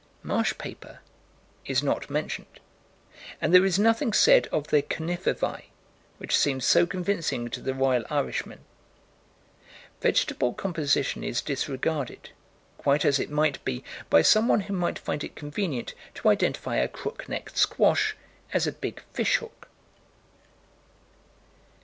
"Marsh paper" is not mentioned, and there is nothing said of the "conifervæ," which seemed so convincing to the royal Irishmen. Vegetable composition is disregarded, quite as it might be by someone who might find it convenient to identify a crook necked squash as a big fishhook.